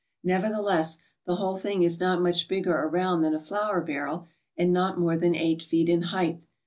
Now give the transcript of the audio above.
Nevertheless, the whole thing is not much bigger around than a flour barrel and not more than eight feet in height.